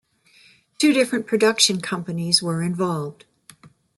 Two different production companies were involved.